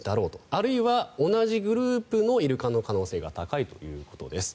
あるいは同じグループのイルカの可能性が高いということです。